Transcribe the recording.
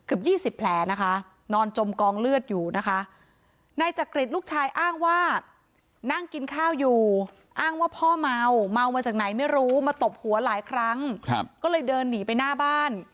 เอามาจากไหนไม่รู้มาตบหัวหลายครั้งก็เลยเดินหนีไปหน้าบ้าน